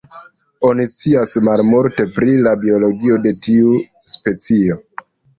Oni scias malmulte pri la biologio de tiu specio.